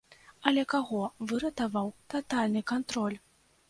Але каго выратаваў татальны кантроль?